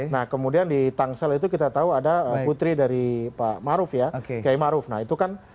nah kemudian di tangsel itu kita tahu ada